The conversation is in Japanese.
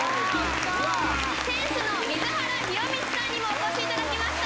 店主の水原裕満さんにもお越しいただきました。